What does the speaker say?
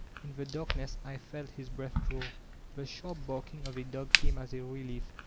In the darkness I felt his breath draw. The sharp barking of a dog came as a relief.